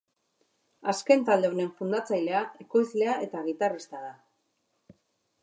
Azken talde honen fundatzailea, ekoizlea eta gitarrista da.